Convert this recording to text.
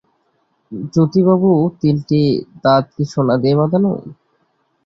জ্যোতিবাবুর তিনটি দাঁত কি সোনা দিয়ে বাঁধানো?